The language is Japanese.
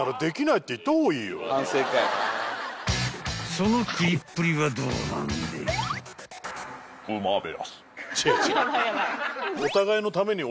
［その食いっぷりはどうなんでい］